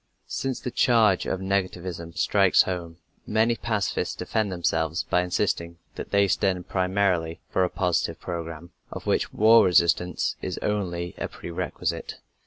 Since the charge of negativism strikes home, many pacifists defend themselves by insisting that they stand primarily for a positive program, of which war resistance is only a pre requisite.